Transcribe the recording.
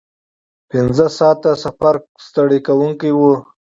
پنځه ساعته سفر ستړی کوونکی و.